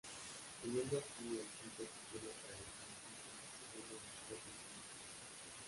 Suponiendo así, el quinto título para la franquicia, segundo en los tres últimos años.